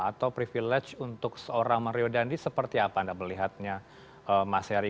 atau privilege untuk seorang mario dandi seperti apa anda melihatnya mas heri